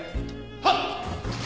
はっ。